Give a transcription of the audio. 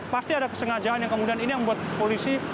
pasti ada kesengajaan yang kemudian ini yang membuat polisi